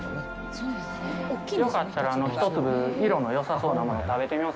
よかったら一粒、色のよさそうなものを食べてみます？